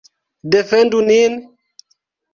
Defendu nin!